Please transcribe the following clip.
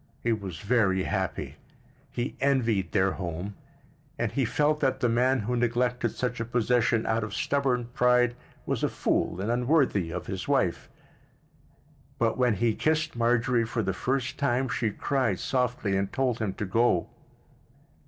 He was very happy. He envied their home, and he felt that the man who neglected such a possession out of stubborn pride was a fool and unworthy of his wife. But when he kissed Marjorie for the first time she cried softly and told him to go.